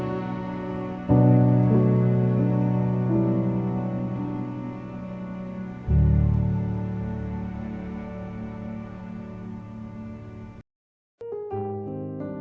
dia berkata bahwa kebahagiaan itu sudah lama tidak dihubungi